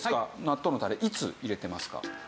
納豆のタレいつ入れてますか？